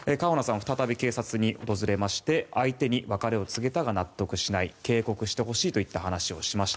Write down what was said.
再び警察を訪れ相手に別れを告げたが納得しない警告してほしいといった話をしました。